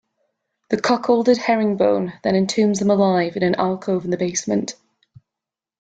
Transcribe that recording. The cuckolded Herringbone then entombs them alive in an alcove in the basement.